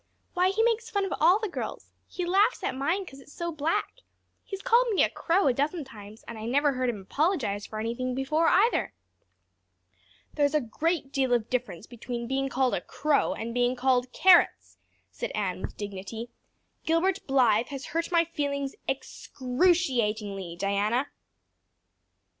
"Why, he makes fun of all the girls. He laughs at mine because it's so black. He's called me a crow a dozen times; and I never heard him apologize for anything before, either." "There's a great deal of difference between being called a crow and being called carrots," said Anne with dignity. "Gilbert Blythe has hurt my feelings excruciatingly, Diana."